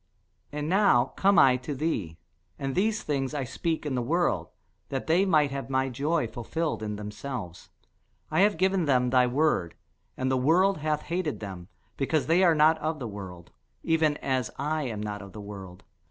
And now come I to thee; and these things I speak in the world, that they might have my joy fulfilled in themselves. I have given them thy word; and the world hath hated them, because they are not of the world, even as I am not of the world.